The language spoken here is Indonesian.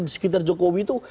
sekitar jokowi itu